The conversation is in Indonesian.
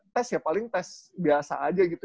tes ya paling tes biasa aja gitu